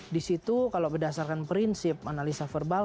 di situ kalau berdasarkan prinsip analisa verbal